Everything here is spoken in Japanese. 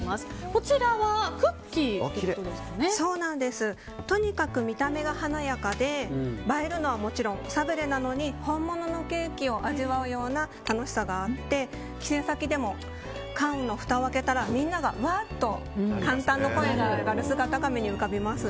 こちらはとにかく見た目が華やかで映えるのはもちろんサブレなのに本物のケーキを味わうような楽しさがあって帰省先でも缶のふたを開けたらみんなが、わっと感嘆の声が上がる姿が目に浮かびます。